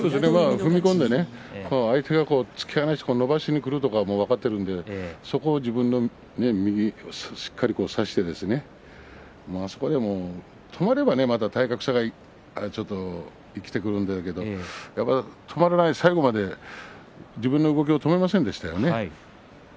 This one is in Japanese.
踏み込んで相手が突き放して伸ばしてくるのが分かってるのでそこは自分の右をしっかり残して止まれば体格差が生きてくるんですが止まらずに最後まで自分の動きを止めませんでしたね。